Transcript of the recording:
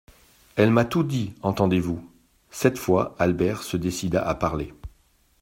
Elle m'a tout dit, entendez-vous ? Cette fois, Albert se décida à parler.